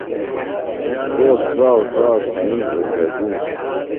کوک ٹراؤ ٹراؤ تھئیم اُربھےۡ گُوم۔